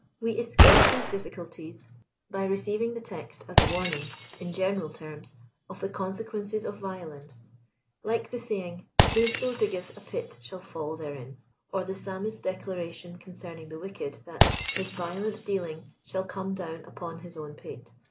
We escape these difiSculties by receiving the te^t as a tvafnlng, ^n general terms, of the consequences of violence ; like the saying*, whoso diggeth a pit shall fall therein," or the Psalmist's declara tion concerning the wicked, that «< his violent dealing shall come down upon his own pate."